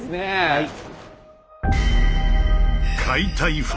はい。